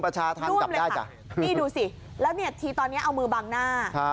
ใช่ค่ะนี่ดูสิแล้วทีตอนนี้เอามือบังหน้า